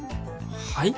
はい？